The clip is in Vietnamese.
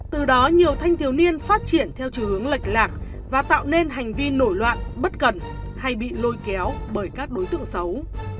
từ đó nhiều thanh thiếu niên phát triển theo chướng hướng lệch lạc và tạo nên hành vi nổi loạn bất cần hay bị lôi kéo bởi các đối tượng xấu